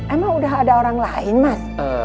emang udah ada orang lain mas